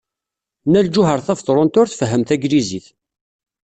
Nna Lǧuheṛ Tabetṛunt ur tfehhem tanglizit.